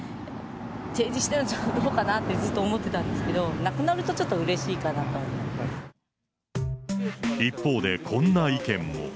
提示しちゃうとどうかなってずっと思ってたんですけど、なくなる一方で、こんな意見も。